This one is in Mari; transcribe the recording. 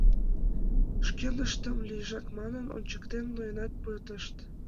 Шкеныштым лийжак манын ончыктен, ноенат пытышт.